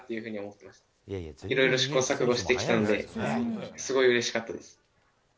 いろいろ試行錯誤してきたんで、すごいうれしかったです。